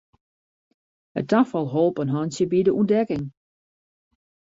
It tafal holp in hantsje by de ûntdekking.